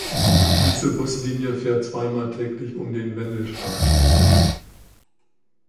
Diese Buslinie fährt zweimal täglich um den Wendelstein.